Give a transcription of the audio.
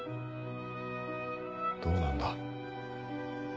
どうなんだ？